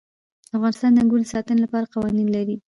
افغانستان د انګور د ساتنې لپاره قوانین لري.